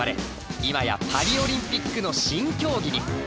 今やパリ・オリンピックの新競技に。